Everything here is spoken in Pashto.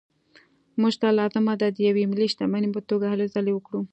موږ ته لازمه ده د یوې ملي شتمنۍ په توګه هلې ځلې وکړو.